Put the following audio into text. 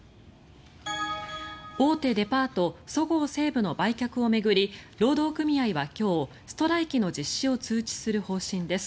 大手デパートそごう・西武の売却を巡り労働組合は今日ストライキの実施を通知する方針です。